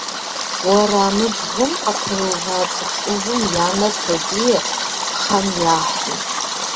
Уэрамыбгъум къытеува цӏыху ӏувым я нэр тодие кхъэм яхьым.